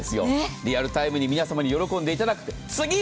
リアルタイムで皆様に喜んでいただく。